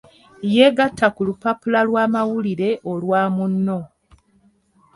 Yeegatta ku lupapula lw'amawulire olwa Munno.